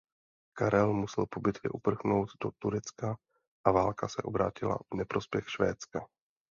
Karel musel po bitvě uprchnout do Turecka a válka se obrátila v neprospěch Švédska.